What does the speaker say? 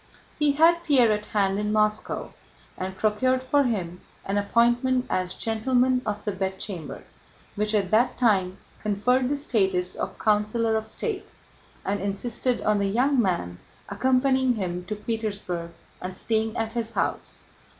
He had Pierre at hand in Moscow and procured for him an appointment as Gentleman of the Bedchamber, which at that time conferred the status of Councilor of State, and insisted on the young man accompanying him to Petersburg and staying at his house.